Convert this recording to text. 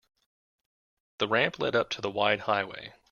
The ramp led up to the wide highway.